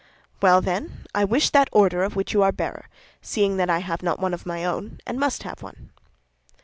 "Well, then, I wish that order of which you are bearer, seeing that I have not one of my own and must have one."